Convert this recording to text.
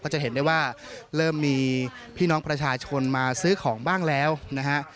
จะเห็นได้ว่าเริ่มมีพี่น้องประชาชนมาซื้อของบ้างแล้วนะฮะ